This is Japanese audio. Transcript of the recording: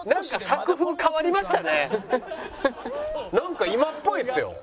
作風変わりました。